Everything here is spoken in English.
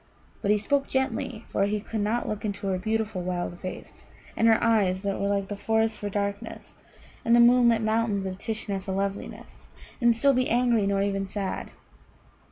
But he spoke gently, for he could not look into her beautiful wild face, and her eyes, that were like the forest for darkness and the moonlit mountains of Tishnar for loveliness, and still be angry, nor even sad.